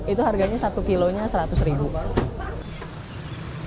itu harganya satu kilonya rp seratus